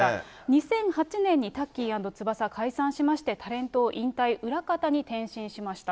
２００８年にタッキー＆翼、解散しまして、タレントを引退、裏方に転身しました。